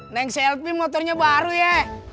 naik selfie motornya baru ya